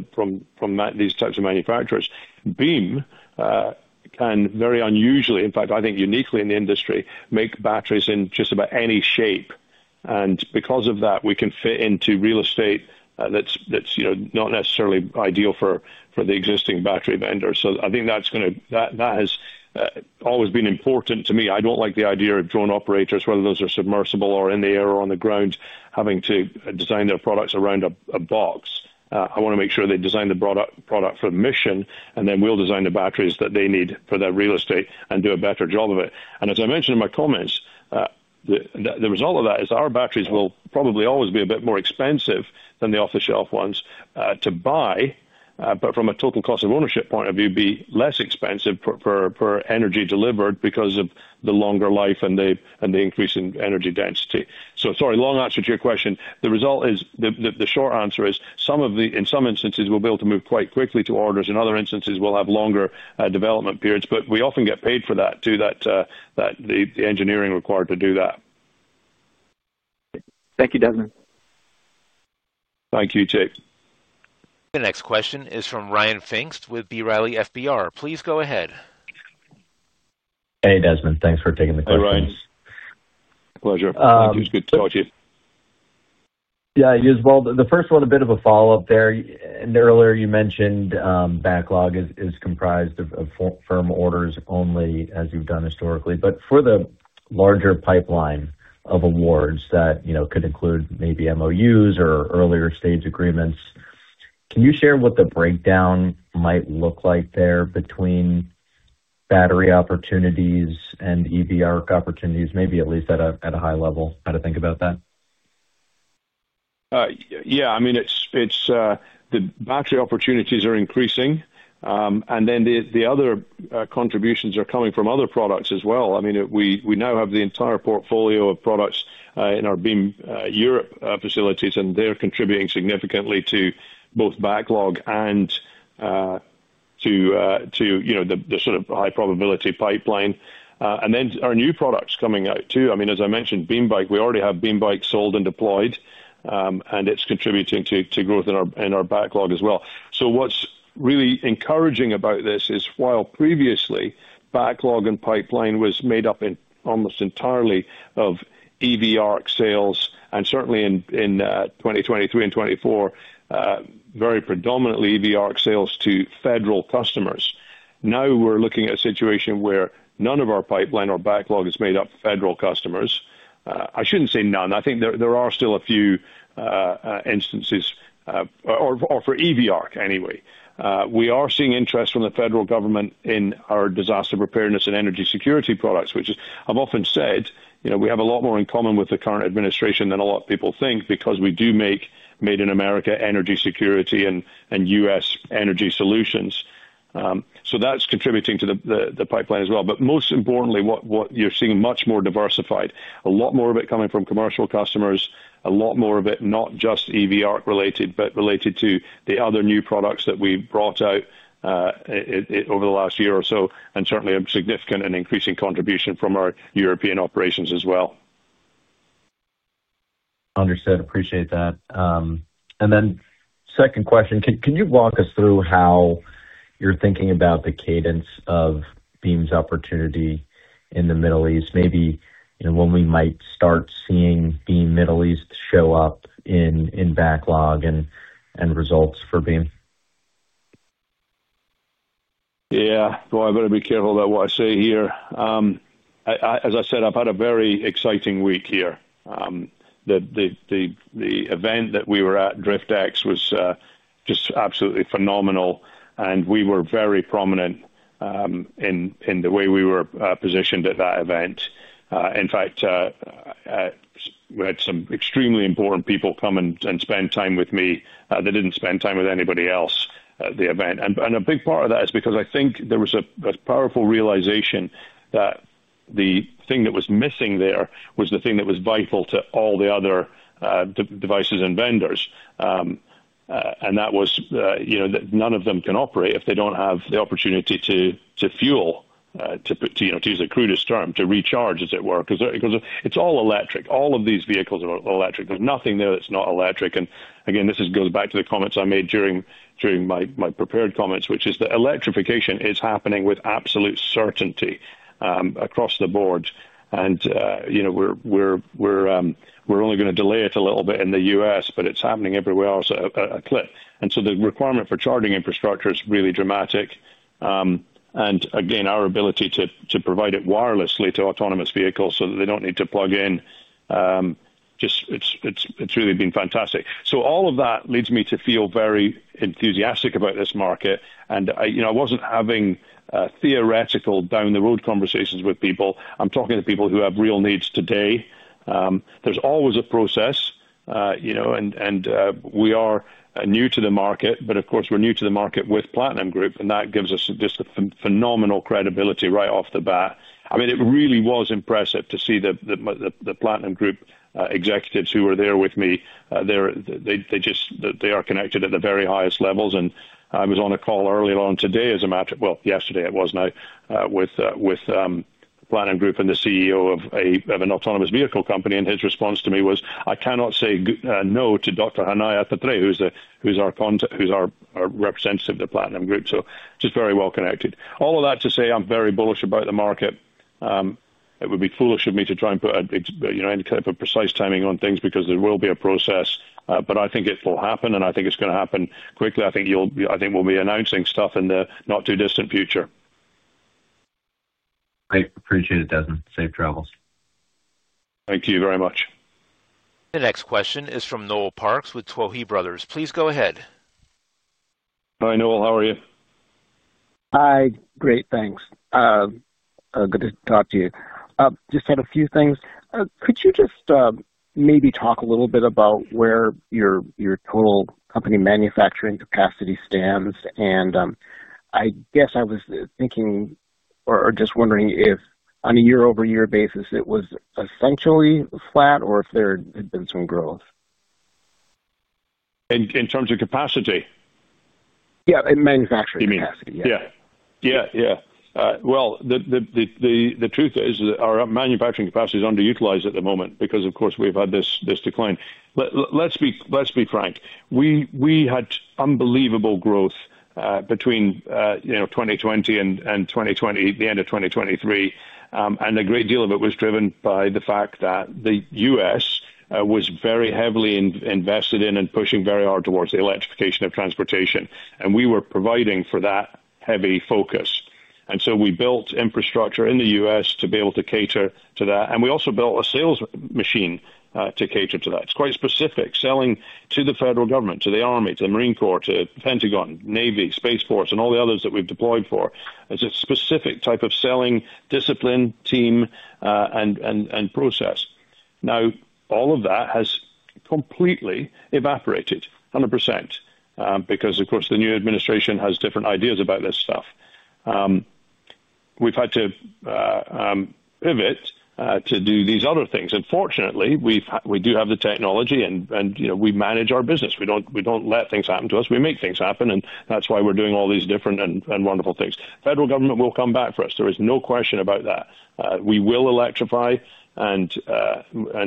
these types of manufacturers. Beam can, very unusually, in fact, I think uniquely in the industry, make batteries in just about any shape, and because of that, we can fit into real estate that's not necessarily ideal for the existing battery vendor. I think that's going to, that has always been important to me. I don't like the idea of drone operators, whether those are submersible or in the air or on the ground, having to design their products around a box. I want to make sure they design the product for the mission, and then we'll design the batteries that they need for their real estate and do a better job of it. As I mentioned in my comments, the result of that is our batteries will probably always be a bit more expensive than the off-the-shelf ones to buy, but from a total cost of ownership point of view, be less expensive per energy delivered because of the longer life and the increase in energy density. Sorry, long answer to your question. The short answer is, in some instances, we'll be able to move quite quickly to orders. In other instances, we'll have longer development periods, but we often get paid for that too, the engineering required to do that. Thank you, Desmond. Thank you, Tate. The next question is from Ryan Pfingst, with B. Riley FBR. Please go ahead. Hey, Desmond. Thanks for taking the question. Hi, Ryan. Pleasure. Thank you. It's good to talk to you. Yeah, it is both. The first one, a bit of a follow-up there. Earlier, you mentioned backlog is comprised of firm orders only, as you've done historically, but for the larger pipeline of awards that could include maybe MoUs, or earlier stage agreements, can you share what the breakdown might look like there between battery opportunities and EV ARC, opportunities, maybe at least at a high level? How to think about that? Yeah, I mean, the battery opportunities are increasing, and then the other contributions are coming from other products as well. I mean, we now have the entire portfolio of products in our Beam Europe, facilities, and they're contributing significantly to both backlog and to the sort of high-probability pipeline. And then our new products coming out too, I mean, as I mentioned, BeamBike, we already have BeamBike, sold and deployed, and it's contributing to growth in our backlog as well. What's really encouraging about this is while previously backlog and pipeline was made up almost entirely of EV ARC sales, and certainly in 2023 and 2024, very predominantly EV ARC sales, to federal customers, now we're looking at a situation where none of our pipeline or backlog is made up for federal customers. I shouldn't say none. I think there are still a few instances, or for EV ARC, anyway. We are seeing interest from the federal government in our disaster preparedness and energy security products, which I've often said we have a lot more in common with the current administration than a lot of people think because we do make Made in America, energy security and U.S. energy solutions. That's contributing to the pipeline as well. Most importantly, what you're seeing is much more diversified. A lot more of it coming from commercial customers, a lot more of it not just EV ARC related, but related to the other new products that we've brought out over the last year or so, and certainly a significant and increasing contribution from our European operations, as well. Understood. Appreciate that. Then second question, can you walk us through how you're thinking about the cadence of Beam's, opportunity in the Middle East, maybe when we might start seeing Beam Middle East, show up in backlog and results for Beam? Yeah, I better be careful about what I say here. As I said, I've had a very exciting week here. The event that we were at, DriftX, was just absolutely phenomenal, and we were very prominent in the way we were positioned at that event. In fact, we had some extremely important people come and spend time with me. They did not spend time with anybody else at the event. A big part of that is because I think there was a powerful realization that the thing that was missing there was the thing that was vital to all the other devices and vendors, and that was that none of them can operate if they do not have the opportunity to fuel, to use the crudest term, to recharge, as it were, because it is all electric. All of these vehicles are electric. There is nothing there that is not electric. This goes back to the comments I made during my prepared comments, which is that electrification is happening with absolute certainty across the board. We are only going to delay it a little bit in the U.S., but it is happening everywhere else at a clip. The requirement for charging infrastructure is really dramatic. Again, our ability to provide it wirelessly to autonomous vehicles so that they do not need to plug in, just, it has really been fantastic. All of that leads me to feel very enthusiastic about this market. I was not having theoretical down-the-road conversations with people. I am talking to people who have real needs today. There is always a process, and we are new to the market, but of course, we are new to the market with Platinum Group, and that gives us just a phenomenal credibility right off the bat. I mean, it really was impressive to see the Platinum Group executives, who were there with me. They are connected at the very highest levels. I was on a call earlier on today, as a matter of fact, yesterday it was now, with Platinum Group, and the CEO, of an autonomous vehicle company. His response to me was, "I cannot say no to Dr. Hanaya Petray, who's our representative of the Platinum Group." Just very well connected. All of that to say, I'm very bullish about the market. It would be foolish of me to try and put any type of precise timing on things because there will be a process, but I think it will happen, and I think it's going to happen quickly. I think we'll be announcing stuff in the not-too-distant future. I appreciate it, Desmond. Safe travels. Thank you very much. The next question is from Noel Parks, with Tuohy Brothers. Please go ahead. Hi, Noel. How are you? Hi. Great. Thanks. Good to talk to you. Just had a few things. Could you just maybe talk a little bit about where your total company manufacturing capacity stands? And I guess I was thinking or just wondering if on a year-over-year basis, it was essentially flat or if there had been some growth. In terms of capacity? Yeah, manufacturing capacity. You mean? Yeah. Yeah. The truth is our manufacturing capacity is underutilized at the moment because, of course, we've had this decline. Let's be frank. We had unbelievable growth between 2020, and the end of 2023, and a great deal of it was driven by the fact that the U.S. was very heavily invested in and pushing very hard towards the electrification of transportation, and we were providing for that heavy focus. We built infrastructure in the U.S. to be able to cater to that, and we also built a sales machine to cater to that. It is quite specific, selling to the federal government, to the Army, to the Marine Corps, to the Pentagon, Navy, Space Force, and all the others that we have deployed for. It is a specific type of selling discipline, team, and process. Now, all of that has completely evaporated 100%, because, of course, the new administration has different ideas about this stuff. We have had to pivot to do these other things. Fortunately, we do have the technology, and we manage our business. We do not let things happen to us. We make things happen, and that is why we are doing all these different and wonderful things. The federal government will come back for us. There is no question about that. We will electrify, and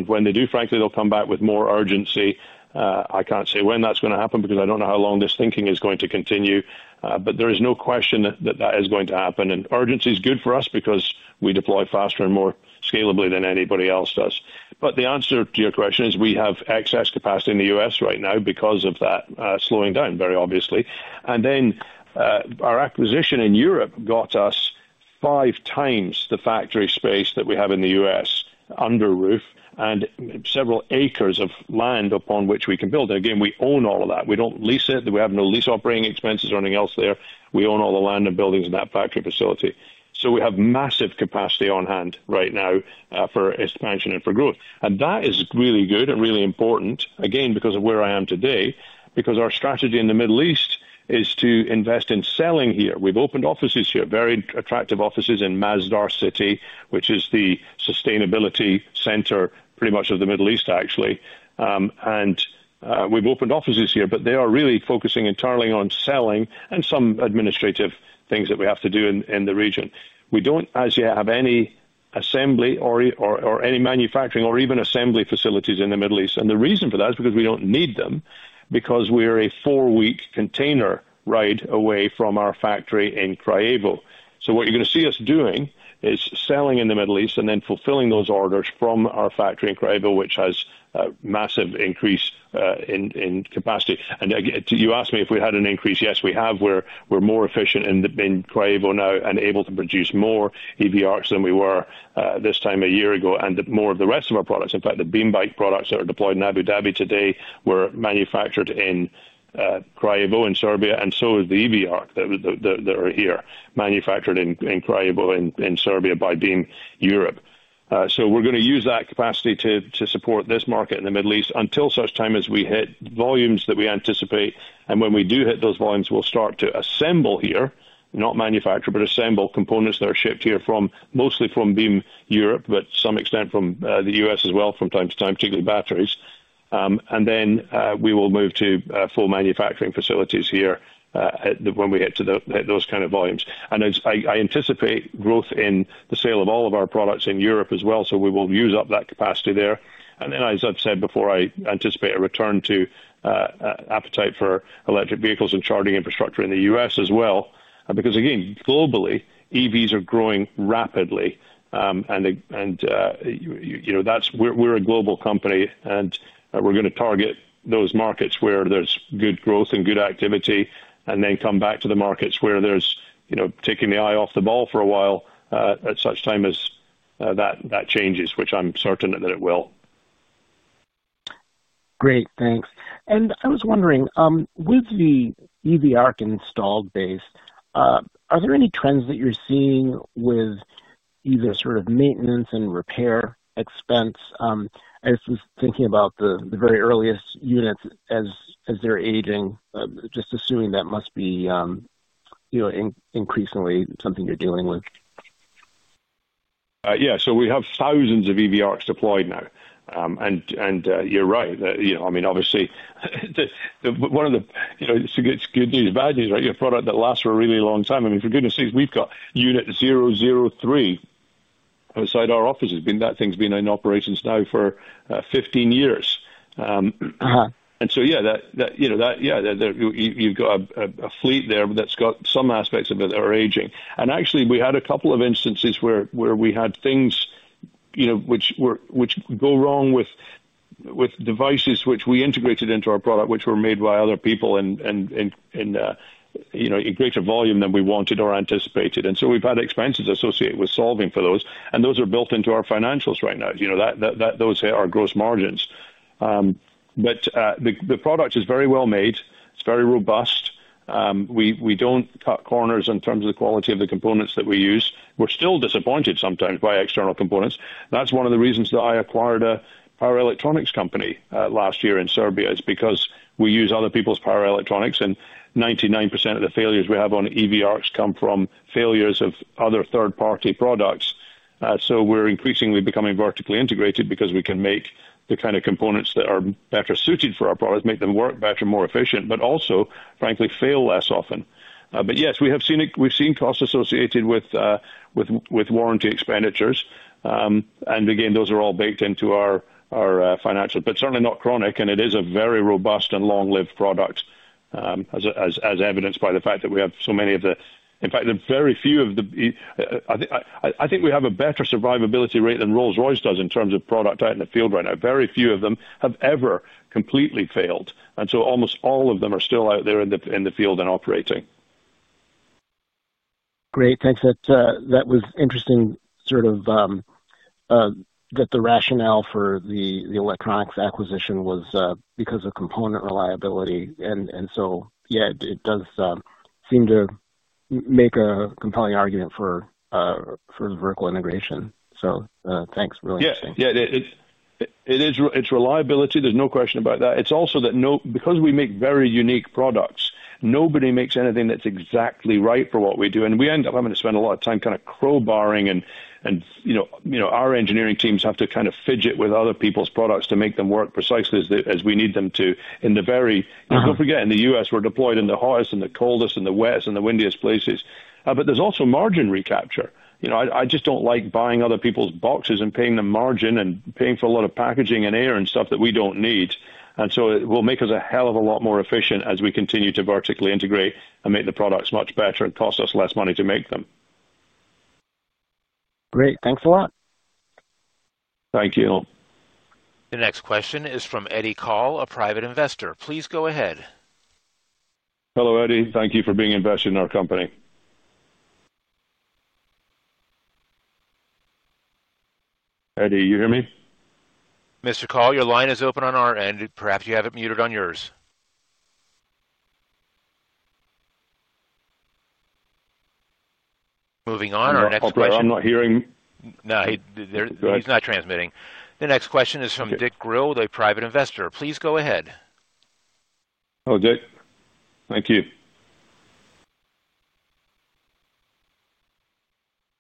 when they do, frankly, they'll come back with more urgency. I can't say when that's going to happen because I don't know how long this thinking is going to continue, but there is no question that that is going to happen. Urgency, is good for us because we deploy faster and more scalably than anybody else does. The answer to your question is we have excess capacity in the U.S. right now because of that slowing down, very obviously. Our acquisition in Europe, got us five times the factory space that we have in the U.S. under roof and several acres of land upon which we can build. Again, we own all of that. We don't lease it. We have no lease operating expenses, or anything else there. We own all the land and buildings in that factory facility. We have massive capacity on hand right now for expansion and for growth. That is really good and really important, again, because of where I am today, because our strategy in the Middle East, is to invest in selling here. We've opened offices here, very attractive offices in Masdar City, which is the sustainability center pretty much of the Middle East, actually. We've opened offices here, but they are really focusing internally on selling and some administrative things that we have to do in the region. We do not as yet have any assembly or any manufacturing or even assembly facilities in the Middle East. The reason for that is because we do not need them because we are a four-week container ride away, from our factory in Kragujevac. What you're going to see us doing is selling in the Middle East, and then fulfilling those orders from our factory in Kragujevac, which has a massive increase in capacity. You asked me if we had an increase. Yes, we have. We're more efficient in Kragujevac now and able to produce more EV ARC units, than we were this time a year ago, and more of the rest of our products. In fact, the BeamBike products, that are deployed in Abu Dhabi, today were manufactured in Kragujevac in Serbia, and so is the EV ARC, that is here, manufactured in Kragujevac in Serbia, by Beam Europe. We're going to use that capacity to support this market in the Middle East, until such time as we hit volumes that we anticipate. When we do hit those volumes, we'll start to assemble here, not manufacture, but assemble components that are shipped here mostly from Beam Europe, but to some extent from the U.S. as well from time to time, particularly batteries. We will move to full manufacturing facilities here when we hit those kind of volumes. I anticipate growth in the sale of all of our products in Europe, as well, so we will use up that capacity there. As I have said before, I anticipate a return to appetite for electric vehicles and charging infrastructure in the U.S. as well because, again, globally, EVs, are growing rapidly, and we are a global company, and we are going to target those markets where there is good growth and good activity and then come back to the markets where there is taking the eye off the ball for a while at such time as that changes, which I am certain that it will. Great. Thanks. I was wondering, with the EV ARC, installed base, are there any trends that you are seeing with either sort of maintenance and repair expense? I was thinking about the very earliest units as they are aging, just assuming that must be increasingly something you are dealing with. Yeah. We have thousands of EV ARCs, deployed now. You are right. I mean, obviously, one of the—it's good news, bad news, right? You've brought out that last for a really long time. I mean, for goodness' sakes, we've got unit 003 outside our offices. That thing's been in operations now for 15 years. Yeah, you've got a fleet there that's got some aspects of it that are aging. Actually, we had a couple of instances where we had things which go wrong with devices which we integrated into our product, which were made by other people in greater volume than we wanted or anticipated. We've had expenses associated with solving for those, and those are built into our financials right now. Those are our gross margins. The product is very well made. It's very robust. We don't cut corners in terms of the quality of the components that we use. We're still disappointed sometimes by external components. That's one of the reasons that I acquired a power electronics company last year in Serbia, is because we use other people's power electronics, and 99%, of the failures we have on EV ARCs, come from failures of other third-party products. We're increasingly becoming vertically integrated, because we can make the kind of components that are better suited for our products, make them work better, more efficient, but also, frankly, fail less often. Yes, we have seen costs, associated with warranty expenditures. Again, those are all baked into our financials, but certainly not chronic, and it is a very robust and long-lived product, as evidenced by the fact that we have so many of the—in fact, very few of the—I think we have a better survivability rate than Rolls-Royce, does in terms of product out in the field right now. Very few of them have ever completely failed, and so almost all of them are still out there in the field and operating. Great. Thanks. That was interesting, sort of that the rationale for the electronics acquisition was because of component reliability. It does seem to make a compelling argument for vertical integration. Thanks. Really interesting. Yeah. Yeah. It's reliability. There's no question about that. It's also that because we make very unique products, nobody makes anything that's exactly right for what we do. We end up having to spend a lot of time kind of crowbarring, and our engineering teams have to kind of fidget with other people's products to make them work precisely as we need them to in the very—don't forget, in the U.S., we're deployed in the hottest, and the coldest, and the wettest, and the windiest places. There is also margin recapture. I just do not like buying other people's boxes and paying them margin, and paying for a lot of packaging and air and stuff that we do not need. It will make us a hell of a lot more efficient as we continue to vertically integrate and make the products much better and cost us less money to make them. Great. Thanks a lot. Thank you. The next question is from Eddie Call, a private investor. Please go ahead. Hello, Eddie. Thank you for being invested in our company. Eddie, you hear me? Mr. Call, your line is open on our end. Perhaps you have it muted on yours. Moving on, our next question. I am not hearing. No, he is not transmitting. The next question is from Dick Grill, the private investor. Please go ahead. Hello, Dick. Thank you.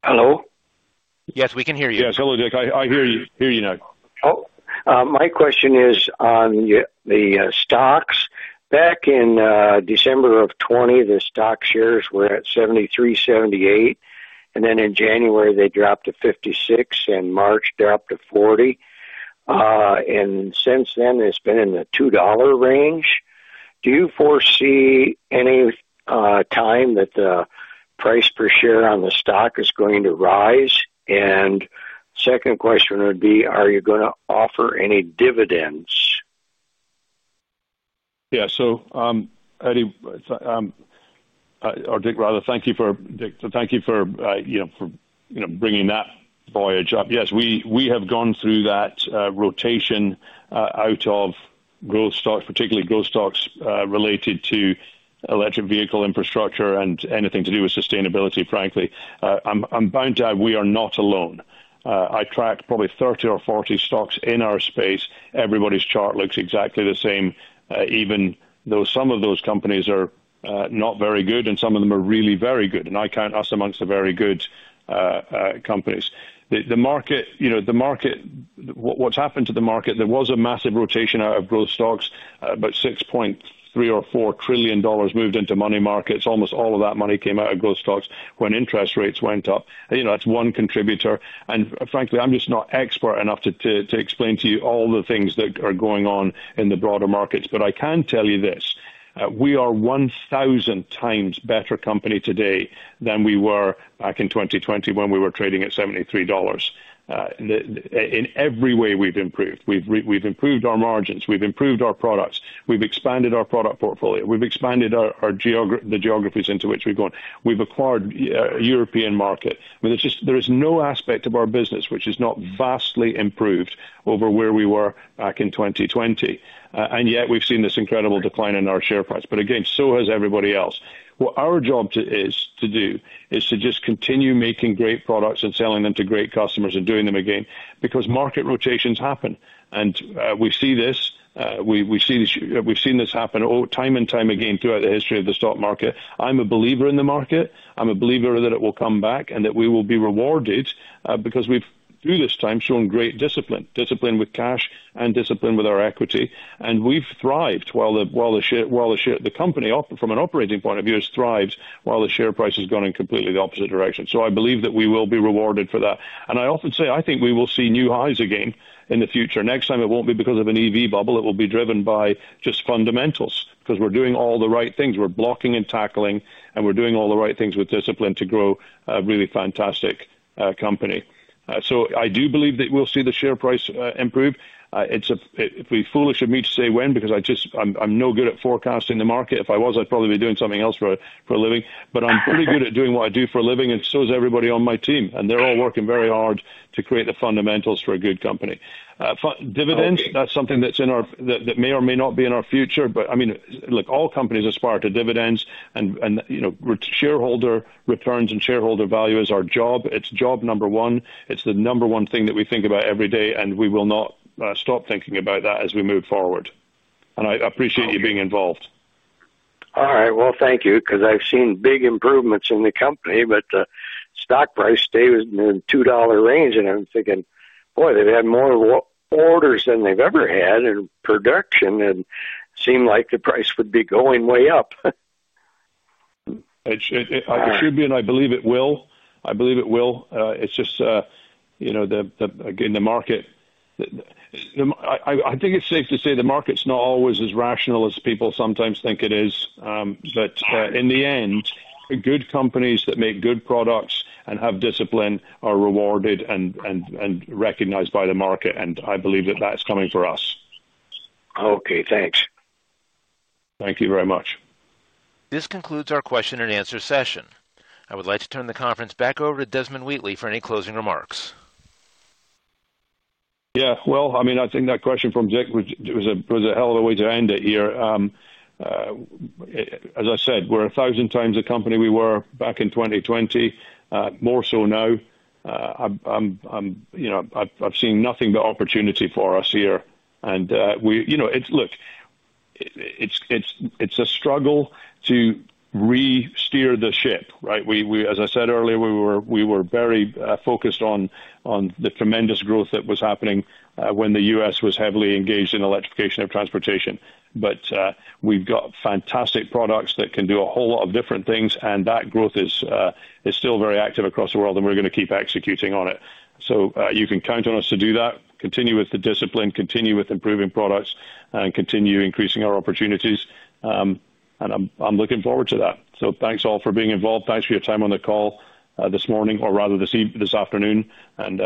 Hello? Yes, we can hear you. Yes. Hello, Dick. I hear you now. My question is on the stocks. Back in December, of 2020, the stock shares were at $73.78, and then in January, they dropped to $56, and March, dropped to $40. Since then, it's been in the $2 range. Do you foresee any time that the price per share on the stock is going to rise? Second question would be, are you going to offer any dividends? Yeah. So, Eddie, or Dick, rather, thank you for—Dick, thank you for bringing that voyage up. Yes, we have gone through that rotation out of growth stocks, particularly growth stocks related to electric vehicle infrastructure and anything to do with sustainability, frankly. I'm bound to add we are not alone. I track probably 30 or 40 stocks, in our space. Everybody's chart looks exactly the same, even though some of those companies are not very good, and some of them are really very good. I count us amongst the very good companies. The market, what's happened to the market? There was a massive rotation out of growth stocks. About $6.3 or $4 trillion, moved into money markets. Almost all of that money came out of growth stocks when interest rates went up. That's one contributor. Frankly, I'm just not expert enough to explain to you all the things that are going on in the broader markets. I can tell you this: we are 1,000 times better company today than we were back in 2020, when we were trading at $73. In every way, we've improved. We've improved our margins. We've improved our products. We've expanded our product portfolio. We've expanded the geographies into which we've gone. We've acquired a European market. There is no aspect of our business which is not vastly improved over where we were back in 2020. Yet, we've seen this incredible decline in our share price. Again, so has everybody else. What our job is to do is to just continue making great products and selling them to great customers and doing them again because market rotations happen. We see this. We've seen this happen time and time again throughout the history of the stock market. I'm a believer in the market. I'm a believer that it will come back and that we will be rewarded because we've, through this time, shown great discipline, discipline with cash and discipline with our equity. We've thrived while the company from an operating point of view has thrived while the share price has gone in completely the opposite direction. I believe that we will be rewarded for that. I often say I think we will see new highs again in the future. Next time, it will not be because of an EV bubble. It will be driven by just fundamentals because we are doing all the right things. We are blocking and tackling, and we are doing all the right things with discipline to grow a really fantastic company. I do believe that we will see the share price improve. It would be foolish of me to say when because I am no good at forecasting the market. If I was, I would probably be doing something else for a living. I am pretty good at doing what I do for a living, and so is everybody on my team. They are all working very hard to create the fundamentals for a good company. Dividends, that's something that may or may not be in our future. I mean, look, all companies aspire to dividends, and shareholder returns and shareholder value is our job. It's job number one. It's the number one thing that we think about every day, and we will not stop thinking about that as we move forward. I appreciate you being involved. Thank you because I've seen big improvements in the company, but the stock price stayed in the $2 range, and I'm thinking, boy, they've had more orders than they've ever had in production, and it seemed like the price would be going way up. It should be, and I believe it will. I believe it will. It's just, again, the market, I think it's safe to say the market's not always as rational as people sometimes think it is. But in the end, good companies that make good products and have discipline are rewarded and recognized by the market, and I believe that that's coming for us. Okay. Thanks. Thank you very much. This concludes our question and answer session. I would like to turn the conference back over to Desmond Wheatley for any closing remarks. Yeah. I mean, I think that question from Dick was a hell of a way to end it here. As I said, we're a thousand times the company we were back in 2020, more so now. I've seen nothing but opportunity for us here. Look, it's a struggle to re-steer the ship, right? As I said earlier, we were very focused on the tremendous growth that was happening when the U.S. was heavily engaged in electrification of transportation. We have got fantastic products that can do a whole lot of different things, and that growth is still very active across the world, and we are going to keep executing on it. You can count on us to do that. Continue with the discipline, continue with improving products, and continue increasing our opportunities. I am looking forward to that. Thanks all for being involved. Thanks for your time on the call this morning, or rather this afternoon, and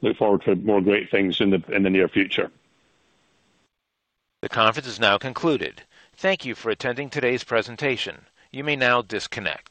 look forward to more great things in the near future. The conference is now concluded. Thank you for attending today's presentation. You may now disconnect.